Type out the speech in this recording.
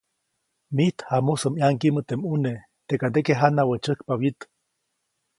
‒Mijt jamusä ʼmaŋgiʼmä teʼ ʼmune, teʼkandeke janawä tsäjkpa wyit-.